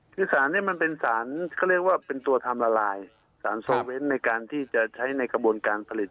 คือสารนี้มันเป็นสารเขาเรียกว่าเป็นตัวทำละลายสารโซเวนต์ในการที่จะใช้ในกระบวนการผลิต